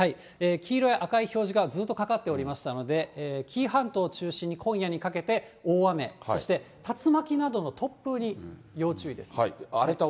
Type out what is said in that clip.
黄色や赤い表示がずっとかかっていましたので、紀伊半島を中心に今夜にかけて、大雨、そして竜巻などの突風に要注意です。